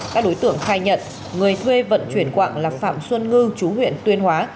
các đối tượng khai nhận người thuê vận chuyển quạng là phạm xuân ngư chú huyện tuyên hóa